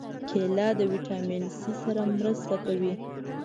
کېله د ویټامین C سره مرسته کوي.